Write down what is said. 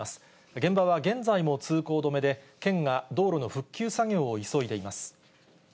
現場は現在も通行止めで、県が道路の復旧作業を急いでいます。